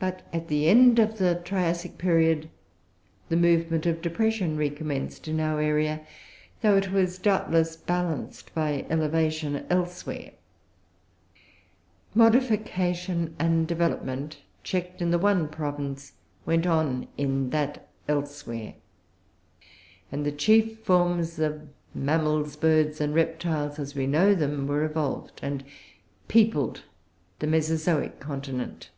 But, at the end of the Triassic period, the movement of depression recommenced in our area, though it was doubtless balanced by elevation elsewhere; modification and development, checked in the one province, went on in that "elsewhere"; and the chief forms of Mammals, Birds and Reptiles, as we know them, were evolved and peopled the Mesozoic continent.